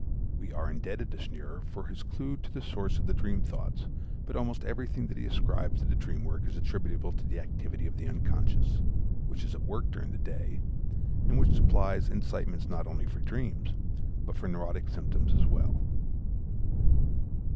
We are indebted to Scherner for his clew to the source of the dream thoughts, but almost everything that he ascribes to the dream work is attributable to the activity of the unconscious, which is at work during the day, and which supplies incitements not only for dreams but for neurotic symptoms as well.